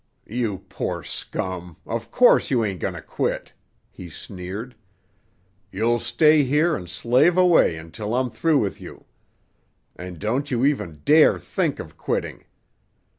"You poor scum, of course you ain't going to quit," he sneered. "You'll stay here and slave away until I'm through with you. And don't you even dare think of quitting.